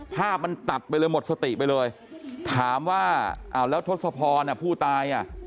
ภาพมันตัดไปเลยหมดสติไปเลยถามว่าอ้าวแล้วทศพรอ่ะผู้ตายอ่ะ